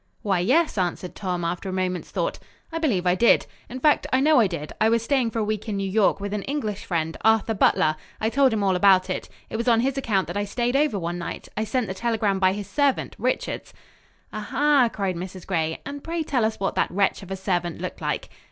"Why, yes," answered Tom after a moment's thought. "I believe I did. In fact I know I did. I was staying for a week in New York, with an English friend, Arthur Butler. I told him all about it. It was on his account that I stayed over one night. I sent the telegram by his servant, Richards." "Ah, ha!" cried Mrs. Gray. "And pray tell us what that wretch of a servant looked like."